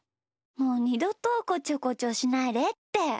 もうにどとこちょこちょしないでって。